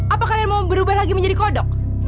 apa kalian mau berubah lagi menjadi kodok